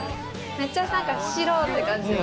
めっちゃ何か白って感じ。